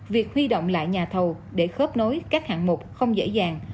việc huy động lại nhà thầu để khớp nối các hạng mục không dễ dàng